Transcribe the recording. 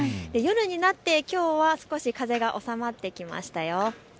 夜になってきょうは少し風が収まってきましたよ。